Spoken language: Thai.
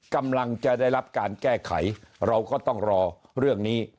กำลังจะได้รับการแก้ไขเราก็ต้องรอเรื่องนี้